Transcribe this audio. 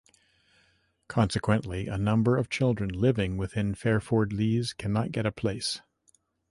Consequently, a number of children living within Fairford Leys cannot get a place.